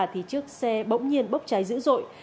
thì trước xe bỗng nhiên bốc cháy dữ dội